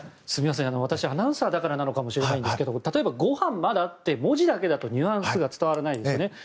すみません、私アナウンサーだからかもしれないですけど例えば、ごはんまだ？って文字だけだとニュアンスが伝わらないですよね。